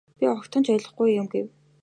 Би огтхон ч ойлгохгүй юм гэв.